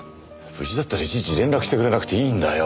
無事だったらいちいち連絡してくれなくていいんだよ。